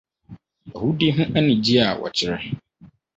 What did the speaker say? Ahude Ho Anigye a Wɔkyerɛ